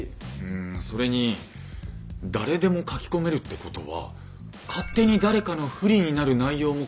んそれに誰でも書き込めるってことは勝手に誰かの不利になる内容も書けるわけですよね？